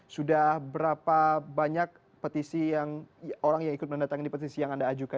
sudah berapa banyak orang yang ikut menandatangani petisi yang anda ajukan